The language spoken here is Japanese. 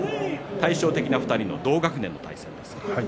対照的な２人の同学年の対戦です。